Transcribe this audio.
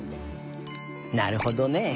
なるほどね。